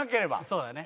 そうだね。